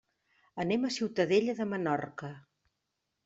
Anem a Ciutadella de Menorca.